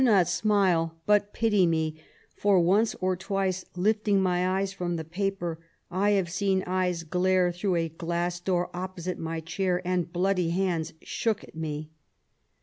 4e not smile, but pity me, for, once or twice, liftiog my eyes from the paper, I have seen eyes glare throngh a glass door opposite my chsir, and bloody hands shook at me.